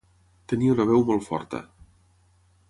Tenia una veu molt forta.